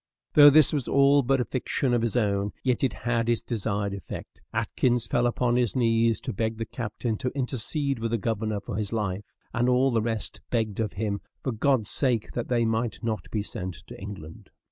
Though this was all but a fiction of his own, yet it had its desired effect; Atkins fell upon his knees to beg the captain to intercede with the governor for his life; and all the rest begged of him, for God's sake, that they might not be sent to England.